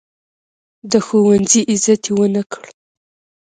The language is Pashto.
د ښوونځي عزت یې ونه کړ.